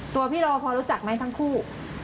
ตัวพี่รอพอรู้จักไหมทั้งคู่